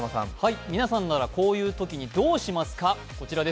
皆さんならこういうときにどうしますか？